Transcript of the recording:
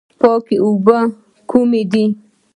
پاکې اوبه کومې دي؟